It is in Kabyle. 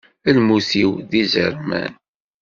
Lmut-iw d izerman.